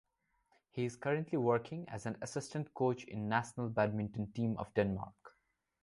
He is currently working as an assistant coach in National badminton team of Denmark.